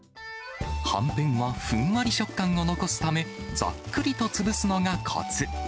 はんぺんはふんわり食感を残すため、ざっくりと潰すのがこつ。